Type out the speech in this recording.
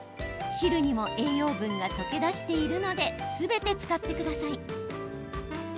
汁にも栄養分が溶け出しているのですべて使ってください。